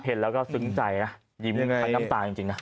เห็นแล้วก็ซึ้งใจนะยิ้มทั้งน้ำตาจริงนะ